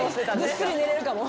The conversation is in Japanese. ぐっすり寝れるかも。